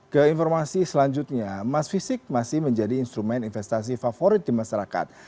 ke informasi selanjutnya emas fisik masih menjadi instrumen investasi favorit di masyarakat